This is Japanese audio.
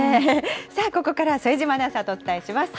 さあここからは、副島アナウンサーとお伝えします。